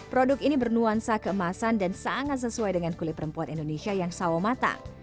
produk ini bernuansa keemasan dan sangat sesuai dengan kulit perempuan indonesia yang sawo mata